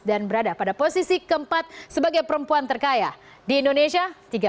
dan berada pada posisi ke empat sebagai perempuan terkaya di indonesia